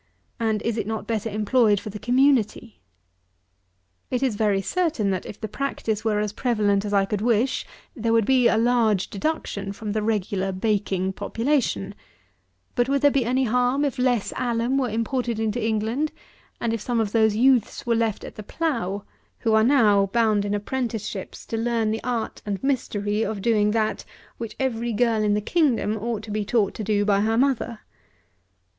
and is it not better employed for the community? It is very certain, that if the practice were as prevalent as I could wish, there would be a large deduction from the regular baking population; but would there be any harm if less alum were imported into England, and if some of those youths were left at the plough, who are now bound in apprenticeships to learn the art and mystery of doing that which every girl in the kingdom ought to be taught to do by her mother?